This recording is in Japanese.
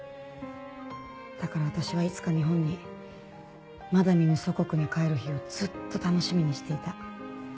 だから私はいつか日本にまだ見ぬ祖国に帰る日をずっと楽しみにしていた。